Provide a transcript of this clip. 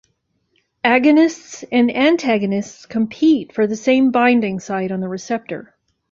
Agonists and antagonists "compete" for the same binding site on the receptor.